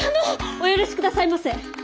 お許しくださいませ！